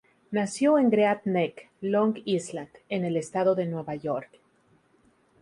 Nació en Great Neck, Long Island, en el estado de Nueva York.